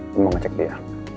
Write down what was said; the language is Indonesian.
mau ngecek dia